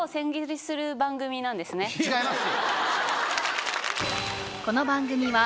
違います。